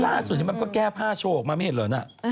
ล่าสุดมันก็แก้ผ้าโชว์ออกมาไม่เห็นเหรอนะ